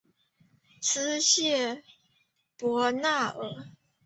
斯谢伯纳尔。